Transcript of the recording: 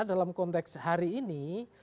dalam konteks hari ini